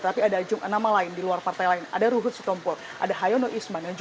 tapi ada nama lain di luar partai lain ada ruhut sitompul ada hayono isman